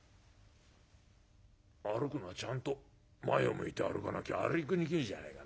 歩くならちゃんと前を向いて歩かなきゃ歩きにくいじゃないか。